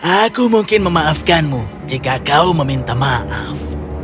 aku mungkin memaafkanmu jika kau meminta maaf